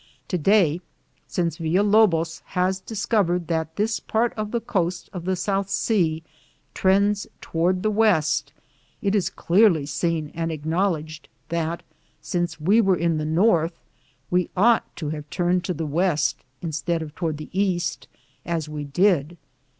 Today, since Villalo bos has discovered that this part of the coast 134 ligirized I:, G00gk' THE JOURNEY OF CORONADO of the South sea trends toward the west, it is clearly seen and acknowledged that, since we were in the north, we ought to have turned to the west instead of toward the east, as we did.